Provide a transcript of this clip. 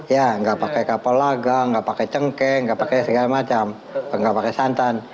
ya nggak pakai kapulaga nggak pakai cengkeh nggak pakai segala macam nggak pakai santan